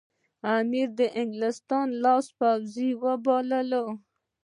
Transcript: امیر د انګلیسیانو لاس پوڅی باله.